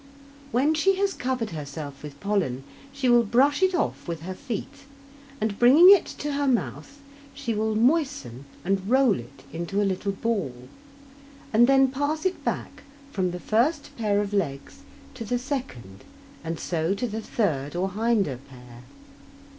When she has covered herself with pollen, she will brush it off with her feet, and, bringing it to her mouth, she will moisten and roll it into a little ball, and then pass it back from the first pair of legs to the second and so to the third or hinder pair.